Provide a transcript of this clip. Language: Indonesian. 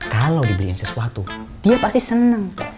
kalau dibeliin sesuatu dia pasti senang